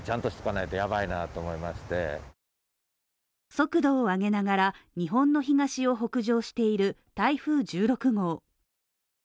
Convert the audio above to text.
速度を上げながら日本の東を北上している台風１６号